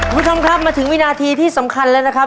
คุณผู้ชมครับมาถึงวินาทีที่สำคัญแล้วนะครับ